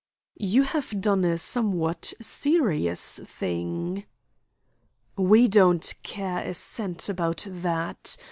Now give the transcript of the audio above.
"You have done a somewhat serious thing." "We don't care a cent about that.